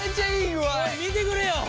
おい見てくれよ。